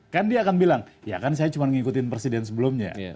kan dia akan bilang ya kan saya cuma ngikutin presiden sebelumnya